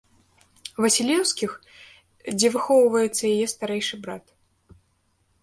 Васілеўскіх, дзе выхоўваецца яе старэйшы брат.